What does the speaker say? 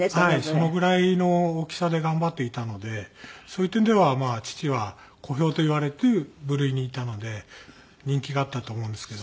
そのぐらいの大きさで頑張っていたのでそういう点では父は小兵といわれる部類にいたので人気があったと思うんですけど。